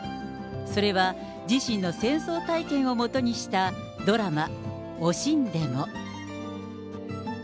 それは、自身の戦争体験を基にしたドラマ、おしんでも。